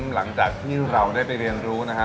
หลังจากที่เราได้ไปเรียนรู้นะฮะ